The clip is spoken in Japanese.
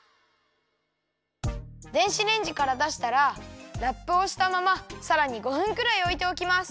電子レンジからだしたらラップをしたままさらに５分くらいおいておきます。